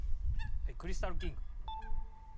クリスタルキング。